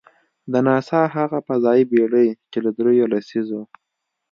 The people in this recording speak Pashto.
د ناسا هغه فضايي بېړۍ، چې له درېیو لسیزو .